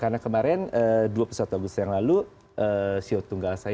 karena kemarin dua puluh satu agustus yang lalu show tunggal saya ya itu